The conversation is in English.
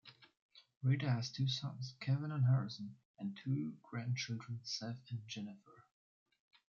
Rita has two sons, Kevin and Harrison and two grandchildren Seth and Jennifer.